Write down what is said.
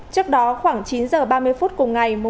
trước đó khoảng chín giờ ba mươi phút cùng ngày